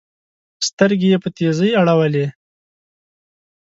سترګي یې په تېزۍ اړولې